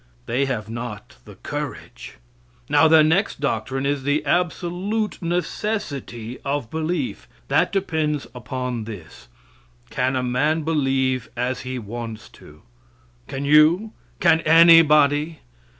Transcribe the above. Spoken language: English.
They have not the courage. Now, their next doctrine is the absolute necessity of belief. That depends upon this: Can a man believe as he wants to? Can you? Can anybody?